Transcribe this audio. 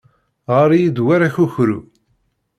Ɣer-iyi-d war akukru.